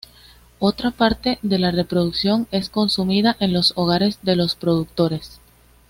Otra parte de la producción es consumida en los hogares de los productores.